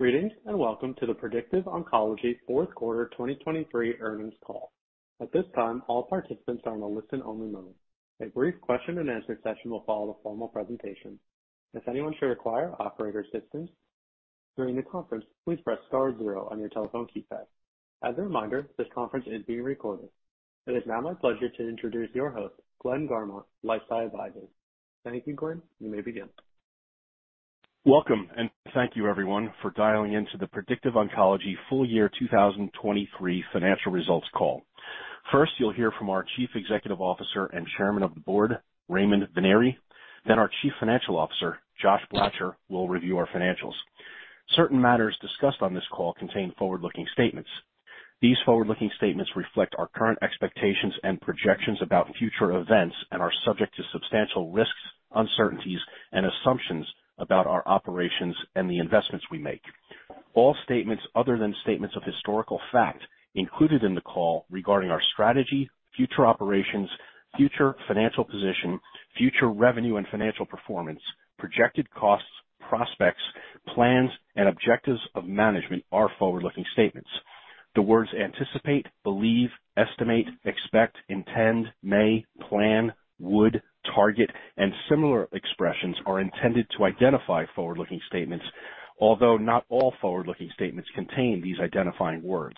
Greetings and welcome to the Predictive Oncology Fourth Quarter 2023 Earnings Call. At this time, all participants are in a listen-only mode. A brief question-and-answer session will follow the formal presentation. If anyone should require operator assistance during the conference, please press star 0 on your telephone keypad. As a reminder, this conference is being recorded. It is now my pleasure to introduce your host, Glenn Garmont, LifeSci Advisors. Thank you, Glenn. You may begin. Welcome, and thank you, everyone, for dialing into the Predictive Oncology full year 2023 financial results call. First, you'll hear from our Chief Executive Officer and Chairman of the Board, Raymond Vennare. Then our Chief Financial Officer, Josh Blacher, will review our financials. Certain matters discussed on this call contain forward-looking statements. These forward-looking statements reflect our current expectations and projections about future events and are subject to substantial risks, uncertainties, and assumptions about our operations and the investments we make. All statements other than statements of historical fact included in the call regarding our strategy, future operations, future financial position, future revenue and financial performance, projected costs, prospects, plans, and objectives of management are forward-looking statements. The words anticipate, believe, estimate, expect, intend, may, plan, would, target, and similar expressions are intended to identify forward-looking statements, although not all forward-looking statements contain these identifying words.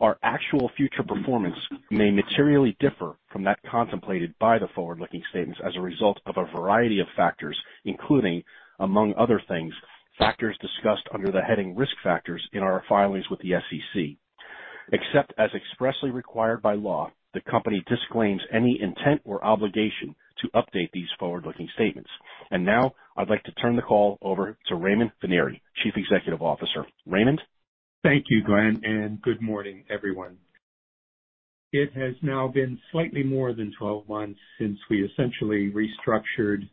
Our actual future performance may materially differ from that contemplated by the forward-looking statements as a result of a variety of factors, including, among other things, factors discussed under the heading risk factors in our filings with the SEC. Except as expressly required by law, the company disclaims any intent or obligation to update these forward-looking statements. Now I'd like to turn the call over to Raymond Vennare, Chief Executive Officer. Raymond? Thank you, Glenn, and good morning, everyone. It has now been slightly more than 12 months since we essentially restructured,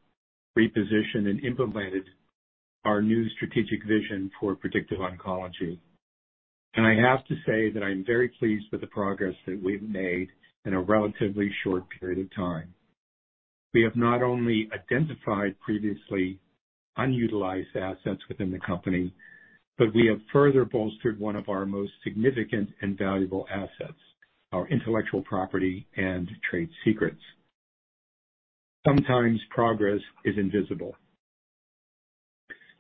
repositioned, and implemented our new strategic vision for Predictive Oncology. I have to say that I'm very pleased with the progress that we've made in a relatively short period of time. We have not only identified previously unutilized assets within the company, but we have further bolstered one of our most significant and valuable assets, our intellectual property and trade secrets. Sometimes progress is invisible.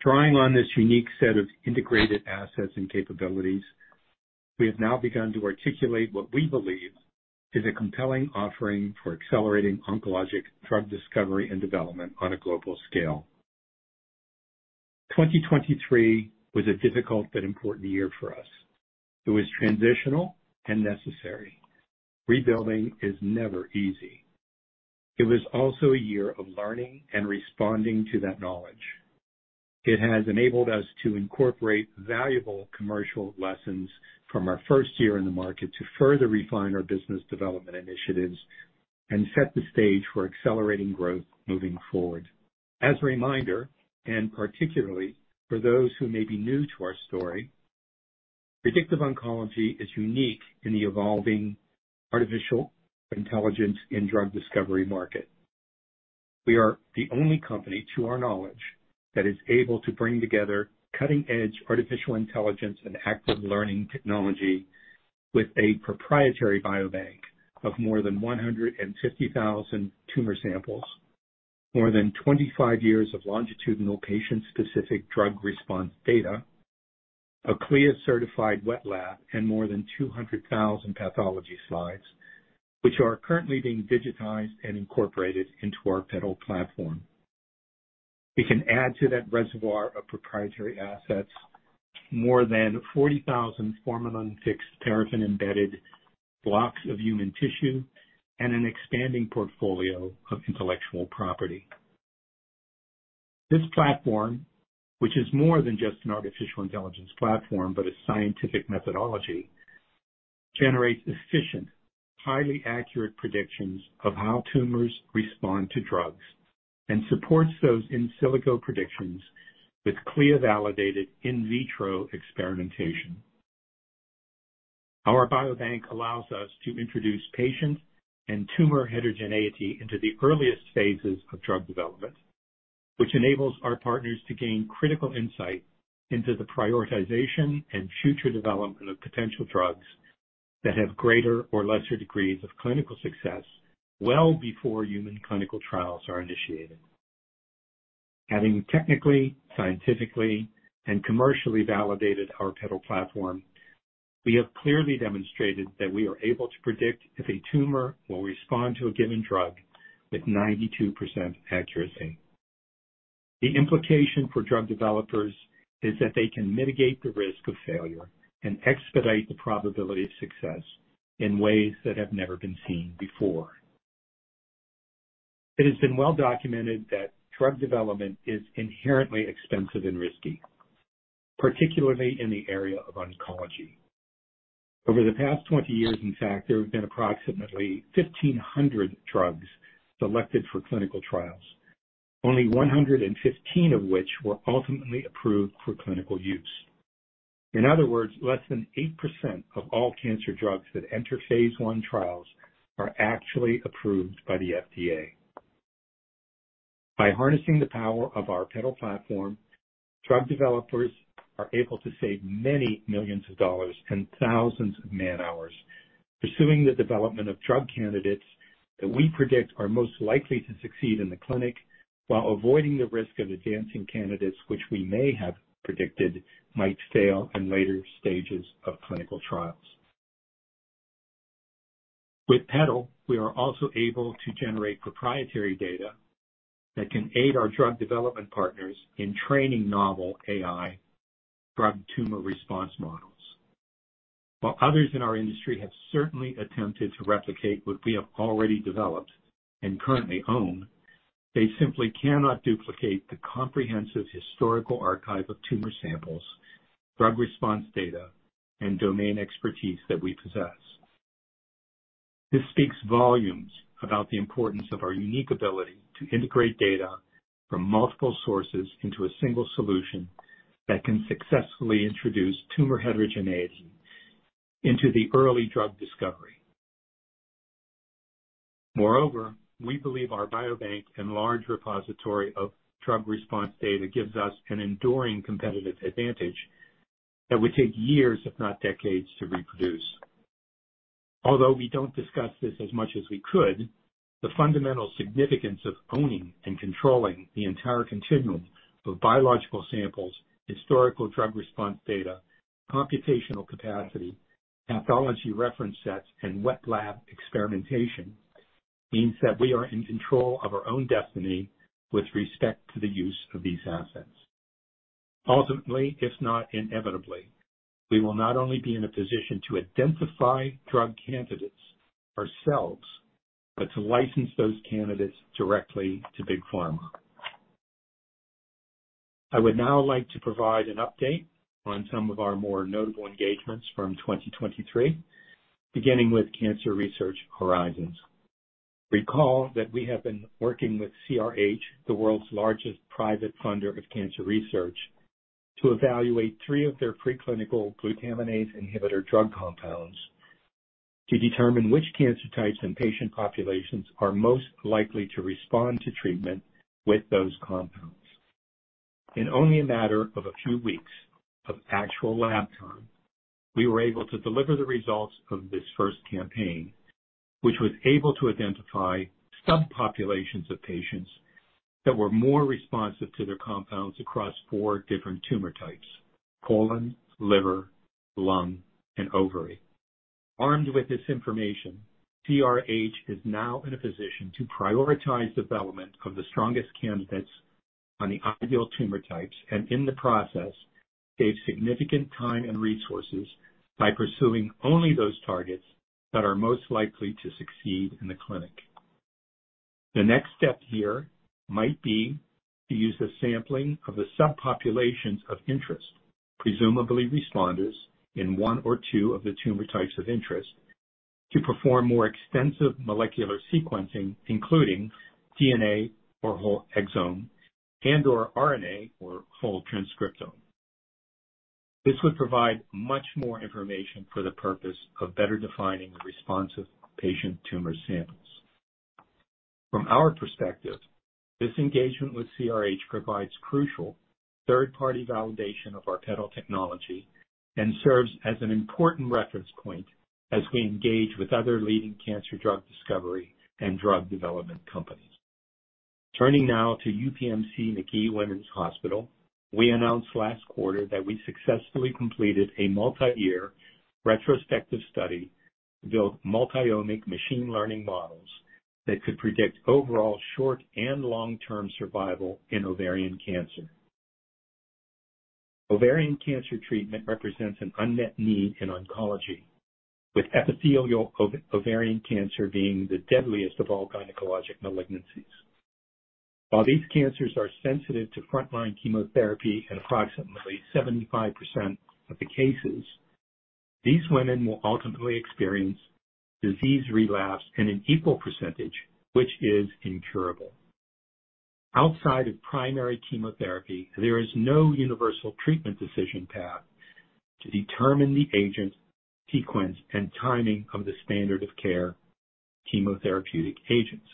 Drawing on this unique set of integrated assets and capabilities, we have now begun to articulate what we believe is a compelling offering for accelerating oncologic drug discovery and development on a global scale. 2023 was a difficult but important year for us. It was transitional and necessary. Rebuilding is never easy. It was also a year of learning and responding to that knowledge. It has enabled us to incorporate valuable commercial lessons from our first year in the market to further refine our business development initiatives and set the stage for accelerating growth moving forward. As a reminder, and particularly for those who may be new to our story, Predictive Oncology is unique in the evolving artificial intelligence and drug discovery market. We are the only company, to our knowledge, that is able to bring together cutting-edge artificial intelligence and active learning technology with a proprietary biobank of more than 150,000 tumor samples, more than 25 years of longitudinal patient-specific drug response data, a CLIA-certified wet lab, and more than 200,000 pathology slides, which are currently being digitized and incorporated into our PEDAL platform. We can add to that reservoir of proprietary assets more than 40,000 formalin-fixed paraffin-embedded blocks of human tissue and an expanding portfolio of intellectual property. This platform, which is more than just an artificial intelligence platform but a scientific methodology, generates efficient, highly accurate predictions of how tumors respond to drugs and supports those in silico predictions with CLIA-validated in vitro experimentation. Our biobank allows us to introduce patient and tumor heterogeneity into the earliest phases of drug development, which enables our partners to gain critical insight into the prioritization and future development of potential drugs that have greater or lesser degrees of clinical success well before human clinical trials are initiated. Having technically, scientifically, and commercially validated our PEDAL platform, we have clearly demonstrated that we are able to predict if a tumor will respond to a given drug with 92% accuracy. The implication for drug developers is that they can mitigate the risk of failure and expedite the probability of success in ways that have never been seen before. It has been well documented that drug development is inherently expensive and risky, particularly in the area of oncology. Over the past 20 years, in fact, there have been approximately 1,500 drugs selected for clinical trials, only 115 of which were ultimately approved for clinical use. In other words, less than 8% of all cancer drugs that enter phase I trials are actually approved by the FDA. By harnessing the power of our PEDAL platform, drug developers are able to save many $ millions and thousands of man-hours pursuing the development of drug candidates that we predict are most likely to succeed in the clinic while avoiding the risk of advancing candidates which we may have predicted might fail in later stages of clinical trials. With PEDAL, we are also able to generate proprietary data that can aid our drug development partners in training novel AI drug tumor response models. While others in our industry have certainly attempted to replicate what we have already developed and currently own, they simply cannot duplicate the comprehensive historical archive of tumor samples, drug response data, and domain expertise that we possess. This speaks volumes about the importance of our unique ability to integrate data from multiple sources into a single solution that can successfully introduce tumor heterogeneity into the early drug discovery. Moreover, we believe our biobank and large repository of drug response data gives us an enduring competitive advantage that would take years, if not decades, to reproduce. Although we don't discuss this as much as we could, the fundamental significance of owning and controlling the entire continuum of biological samples, historical drug response data, computational capacity, pathology reference sets, and wet lab experimentation means that we are in control of our own destiny with respect to the use of these assets. Ultimately, if not inevitably, we will not only be in a position to identify drug candidates ourselves but to license those candidates directly to Big Pharma. I would now like to provide an update on some of our more notable engagements from 2023, beginning with Cancer Research Horizons. Recall that we have been working with CRH, the world's largest private funder of cancer research, to evaluate three of their preclinical glutaminase inhibitor drug compounds to determine which cancer types and patient populations are most likely to respond to treatment with those compounds. In only a matter of a few weeks of actual lab time, we were able to deliver the results of this first campaign, which was able to identify subpopulations of patients that were more responsive to their compounds across four different tumor types: colon, liver, lung, and ovary. Armed with this information, CRH is now in a position to prioritize development of the strongest candidates on the ideal tumor types and, in the process, save significant time and resources by pursuing only those targets that are most likely to succeed in the clinic. The next step here might be to use the sampling of the subpopulations of interest, presumably responders in one or two of the tumor types of interest, to perform more extensive molecular sequencing, including DNA or whole exome and/or RNA or whole transcriptome. This would provide much more information for the purpose of better defining responsive patient tumor samples. From our perspective, this engagement with CRH provides crucial third-party validation of our PEDAL technology and serves as an important reference point as we engage with other leading cancer drug discovery and drug development companies. Turning now to UPMC Magee-Womens Hospital, we announced last quarter that we successfully completed a multi-year retrospective study to build multiomic machine learning models that could predict overall short and long-term survival in ovarian cancer. Ovarian cancer treatment represents an unmet need in oncology, with epithelial ovarian cancer being the deadliest of all gynecologic malignancies. While these cancers are sensitive to frontline chemotherapy in approximately 75% of the cases, these women will ultimately experience disease relapse in an equal percentage, which is incurable. Outside of primary chemotherapy, there is no universal treatment decision path to determine the agent sequence and timing of the standard of care chemotherapeutic agents.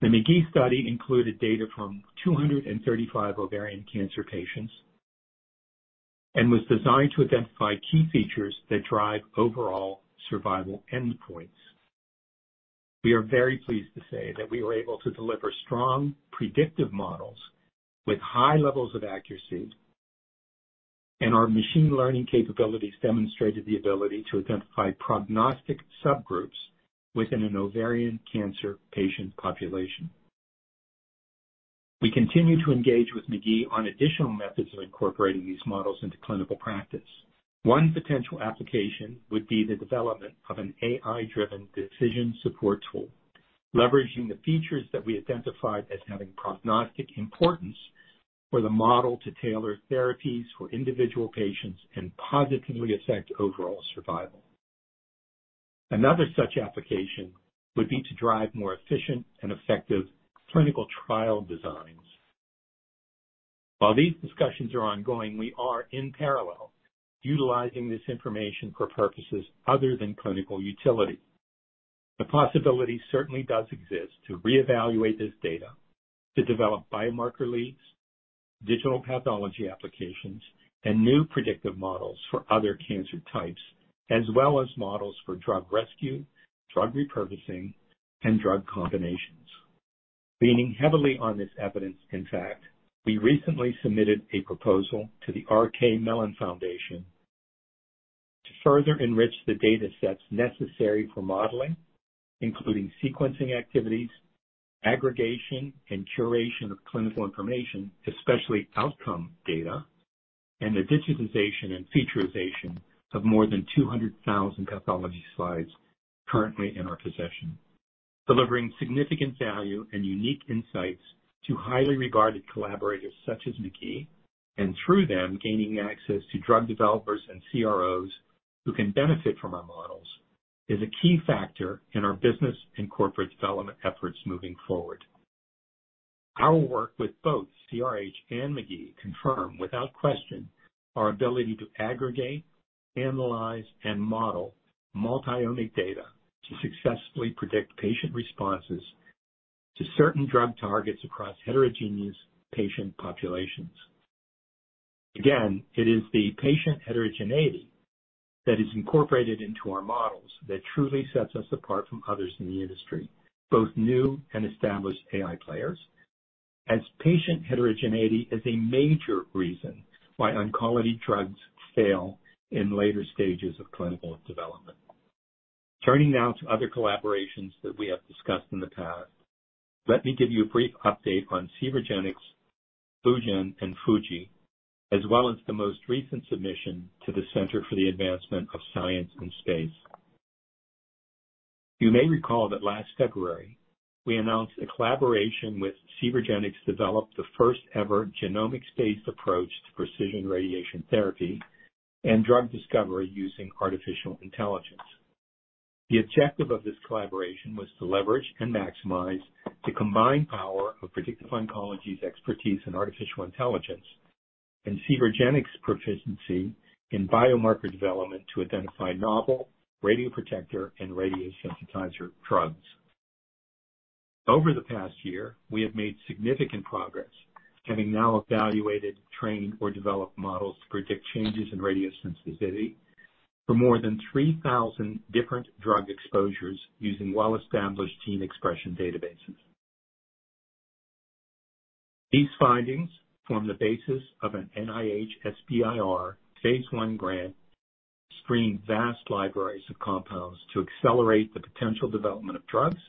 The Magee study included data from 235 ovarian cancer patients and was designed to identify key features that drive overall survival endpoints. We are very pleased to say that we were able to deliver strong predictive models with high levels of accuracy, and our machine learning capabilities demonstrated the ability to identify prognostic subgroups within an ovarian cancer patient population. We continue to engage with Magee on additional methods of incorporating these models into clinical practice. One potential application would be the development of an AI-driven decision support tool, leveraging the features that we identified as having prognostic importance for the model to tailor therapies for individual patients and positively affect overall survival. Another such application would be to drive more efficient and effective clinical trial designs. While these discussions are ongoing, we are in parallel utilizing this information for purposes other than clinical utility. The possibility certainly does exist to reevaluate this data, to develop biomarker leads, digital pathology applications, and new predictive models for other cancer types, as well as models for drug rescue, drug repurposing, and drug combinations. Leaning heavily on this evidence, in fact, we recently submitted a proposal to the R.K. Mellon Foundation to further enrich the data sets necessary for modeling, including sequencing activities, aggregation and curation of clinical information, especially outcome data, and the digitization and featurization of more than 200,000 pathology slides currently in our possession. Delivering significant value and unique insights to highly regarded collaborators such as Magee and, through them, gaining access to drug developers and CROs who can benefit from our models is a key factor in our business and corporate development efforts moving forward. Our work with both CRH and Magee confirms, without question, our ability to aggregate, analyze, and model multiomic data to successfully predict patient responses to certain drug targets across heterogeneous patient populations. Again, it is the patient heterogeneity that is incorporated into our models that truly sets us apart from others in the industry, both new and established AI players, as patient heterogeneity is a major reason why oncology drugs fail in later stages of clinical development. Turning now to other collaborations that we have discussed in the past, let me give you a brief update on Cvergenx, FluGen, and Fujifilm Wako Chemicals, as well as the most recent submission to the Center for the Advancement of Science in Space. You may recall that last February, we announced a collaboration with Cvergenx developed the first-ever genomic-based approach to precision radiation therapy and drug discovery using artificial intelligence. The objective of this collaboration was to leverage and maximize the combined power of Predictive Oncology's expertise in artificial intelligence and Cvergenx's proficiency in biomarker development to identify novel radioprotector and radiosensitizer drugs. Over the past year, we have made significant progress, having now evaluated, trained, or developed models to predict changes in radiosensitivity for more than 3,000 different drug exposures using well-established gene expression databases. These findings form the basis of an NIH SBIR phase I grant to screen vast libraries of compounds to accelerate the potential development of drugs,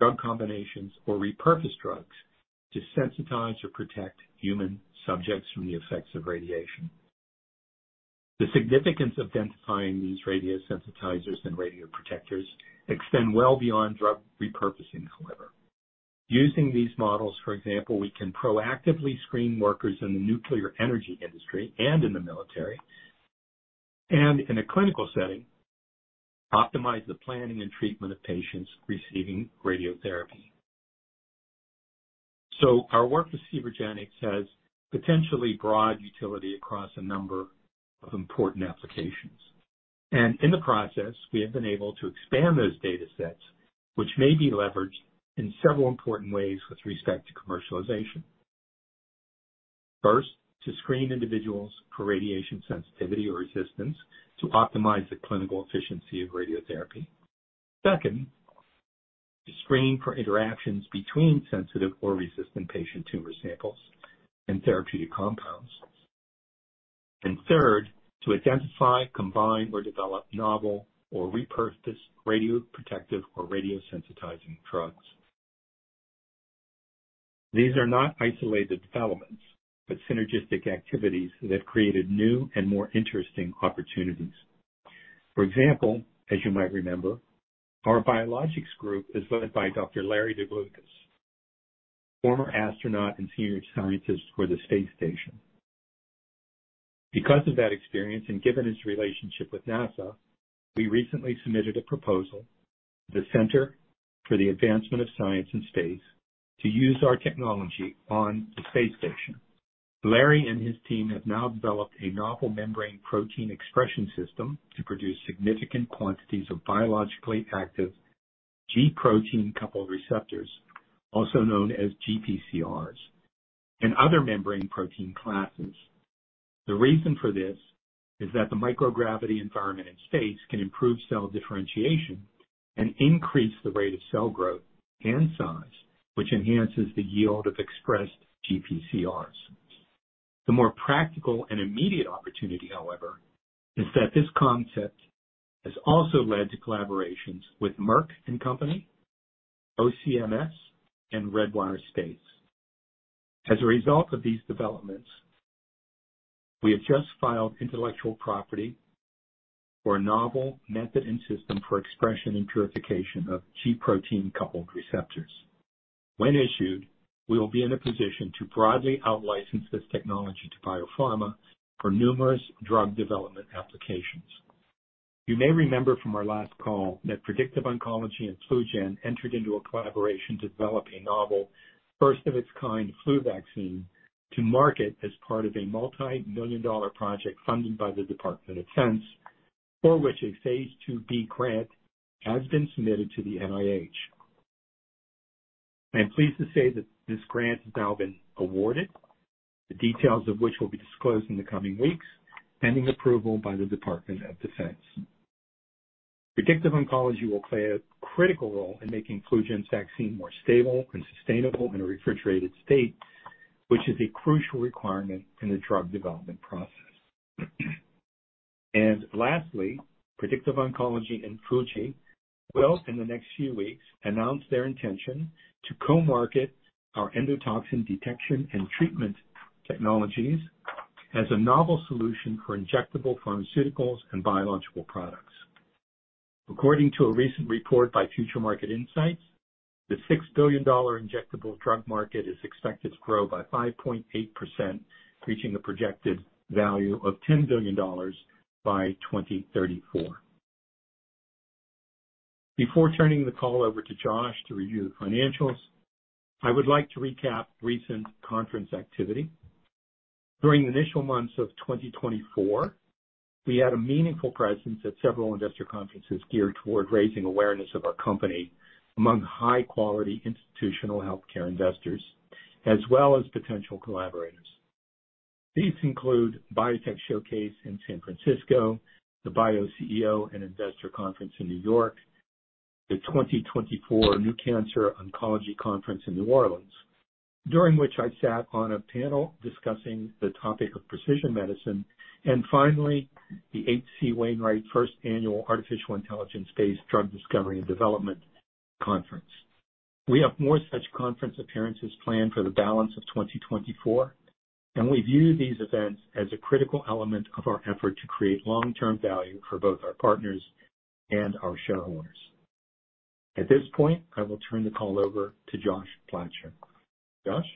drug combinations, or repurposed drugs to sensitize or protect human subjects from the effects of radiation. The significance of identifying these radiosensitizers and radioprotectors extends well beyond drug repurposing, however. Using these models, for example, we can proactively screen workers in the nuclear energy industry and in the military and, in a clinical setting, optimize the planning and treatment of patients receiving radiotherapy. So our work with Cvergenx has potentially broad utility across a number of important applications. And in the process, we have been able to expand those data sets, which may be leveraged in several important ways with respect to commercialization. First, to screen individuals for radiation sensitivity or resistance to optimize the clinical efficiency of radiotherapy. Second, to screen for interactions between sensitive or resistant patient tumor samples and therapeutic compounds. Third, to identify, combine, or develop novel or repurposed radioprotective or radiosensitizing drugs. These are not isolated developments but synergistic activities that have created new and more interesting opportunities. For example, as you might remember, our biologics group is led by Dr. Larry DeLucas, former astronaut and senior scientist for the Space Station. Because of that experience and given his relationship with NASA, we recently submitted a proposal to the Center for the Advancement of Science in Space to use our technology on the Space Station. Larry and his team have now developed a novel membrane protein expression system to produce significant quantities of biologically active G protein-coupled receptors, also known as GPCRs, and other membrane protein classes. The reason for this is that the microgravity environment in space can improve cell differentiation and increase the rate of cell growth and size, which enhances the yield of expressed GPCRs. The more practical and immediate opportunity, however, is that this concept has also led to collaborations with Merck & Co., OCMS, and Redwire Space. As a result of these developments, we have just filed intellectual property for a novel method and system for expression and purification of G protein-coupled receptors. When issued, we will be in a position to broadly outlicense this technology to biopharma for numerous drug development applications. You may remember from our last call that Predictive Oncology and FluGen entered into a collaboration to develop a novel first-of-its-kind flu vaccine to market as part of a $multi-million-dollar project funded by the Department of Defense, for which a Phase IIb grant has been submitted to the NIH. I am pleased to say that this grant has now been awarded, the details of which will be disclosed in the coming weeks, pending approval by the Department of Defense. Predictive Oncology will play a critical role in making FluGen's vaccine more stable and sustainable in a refrigerated state, which is a crucial requirement in the drug development process. And lastly, Predictive Oncology and Fujifilm will, in the next few weeks, announce their intention to co-market our endotoxin detection and treatment technologies as a novel solution for injectable pharmaceuticals and biological products. According to a recent report by Future Market Insights, the $6 billion injectable drug market is expected to grow by 5.8%, reaching a projected value of $10 billion by 2034. Before turning the call over to Josh to review the financials, I would like to recap recent conference activity. During the initial months of 2024, we had a meaningful presence at several investor conferences geared toward raising awareness of our company among high-quality institutional healthcare investors, as well as potential collaborators. These include Biotech Showcase in San Francisco, the BIO CEO & Investor Conference in New York, the 2024 NeauxCancer Oncology Conference in New Orleans, during which I sat on a panel discussing the topic of precision medicine, and finally, the H.C. Wainwright First Annual Artificial Intelligence-Based Drug Discovery and Development Conference. We have more such conference appearances planned for the balance of 2024, and we view these events as a critical element of our effort to create long-term value for both our partners and our shareholders. At this point, I will turn the call over to Josh Blacher. Josh?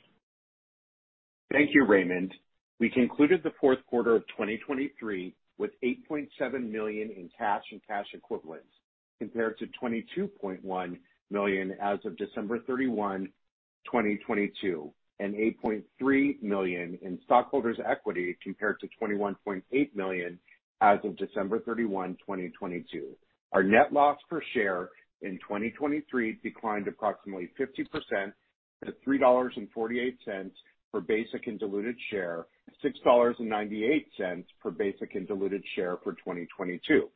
Thank you, Raymond. We concluded the fourth quarter of 2023 with $8.7 million in cash and cash equivalents compared to $22.1 million as of December 31, 2022, and $8.3 million in stockholders' equity compared to $21.8 million as of December 31, 2022. Our net loss per share in 2023 declined approximately 50% to $3.48 per basic and diluted share, $6.98 per basic and diluted share for 2022.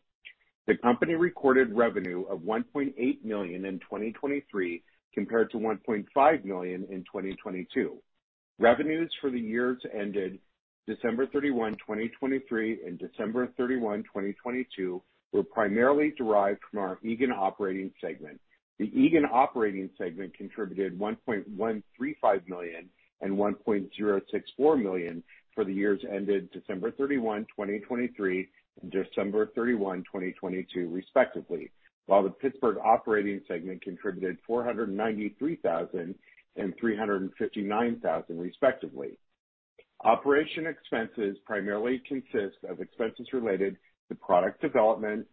The company recorded revenue of $1.8 million in 2023 compared to $1.5 million in 2022. Revenues for the years ended December 31, 2023, and December 31, 2022 were primarily derived from our Eagan operating segment. The Eagan operating segment contributed $1.135 million and $1.064 million for the years ended December 31, 2023, and December 31, 2022, respectively, while the Pittsburgh operating segment contributed $493,000 and $359,000, respectively. Operating expenses primarily consist of expenses related to product development,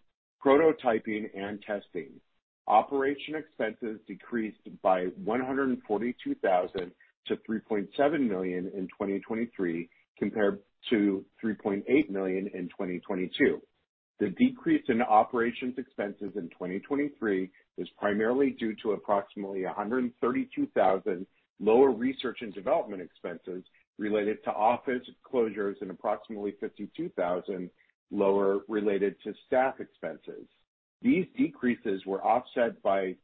prototyping, and testing. Operating expenses decreased by $142,000 to $3.7 million in 2023 compared to $3.8 million in 2022. The decrease in operating expenses in 2023 is primarily due to approximately $132,000 lower research and development expenses related to office closures and approximately $52,000 lower related to staff expenses. These decreases were offset by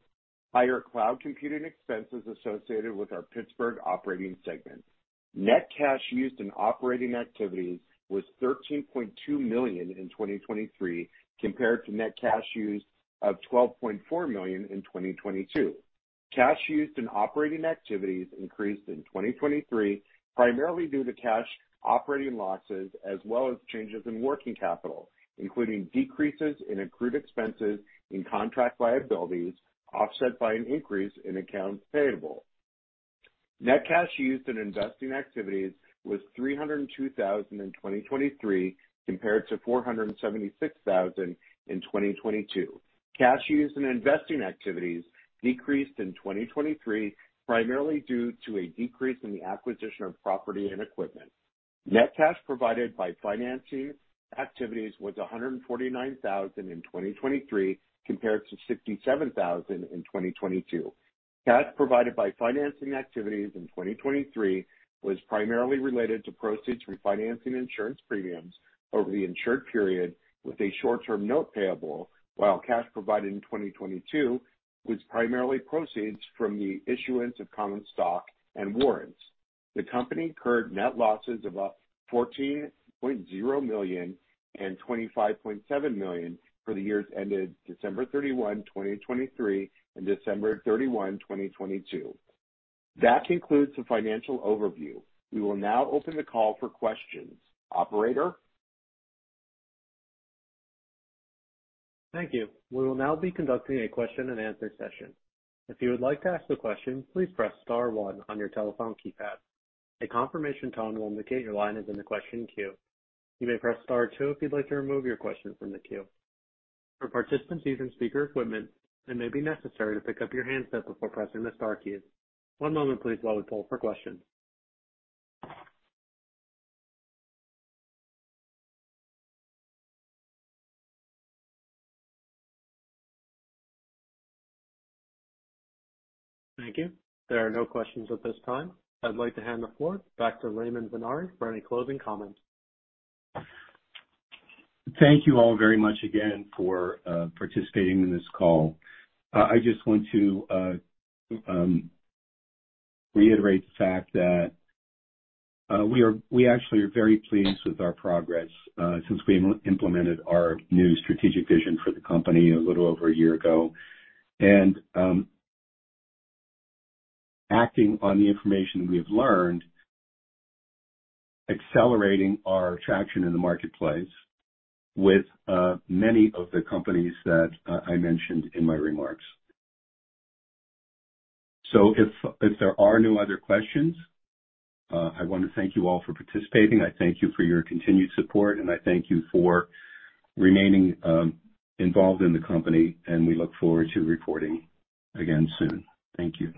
higher cloud computing expenses associated with our Pittsburgh operating segment. Net cash used in operating activities was $13.2 million in 2023 compared to net cash used of $12.4 million in 2022. Cash used in operating activities increased in 2023 primarily due to cash operating losses as well as changes in working capital, including decreases in accrued expenses in contract liabilities offset by an increase in accounts payable. Net cash used in investing activities was $302,000 in 2023 compared to $476,000 in 2022. Cash used in investing activities decreased in 2023 primarily due to a decrease in the acquisition of property and equipment. Net cash provided by financing activities was $149,000 in 2023 compared to $67,000 in 2022. Cash provided by financing activities in 2023 was primarily related to proceeds from financing insurance premiums over the insured period with a short-term note payable, while cash provided in 2022 was primarily proceeds from the issuance of common stock and warrants. The company incurred net losses of $14.0 million and $25.7 million for the years ended December 31, 2023, and December 31, 2022. That concludes the financial overview. We will now open the call for questions. Operator? Thank you. We will now be conducting a question-and-answer session. If you would like to ask a question, please press star one on your telephone keypad. A confirmation tone will indicate your line is in the question queue. You may press star two if you'd like to remove your question from the queue. For participants using speaker equipment, it may be necessary to pick up your handset before pressing the star keys. One moment, please, while we pull for questions. Thank you. There are no questions at this time. I'd like to hand the floor back to Raymond Vennare for any closing comments. Thank you all very much again for participating in this call. I just want to reiterate the fact that we actually are very pleased with our progress since we implemented our new strategic vision for the company a little over a year ago. Acting on the information we have learned, accelerating our traction in the marketplace with many of the companies that I mentioned in my remarks. If there are no other questions, I want to thank you all for participating. I thank you for your continued support, and I thank you for remaining involved in the company. We look forward to reporting again soon. Thank you.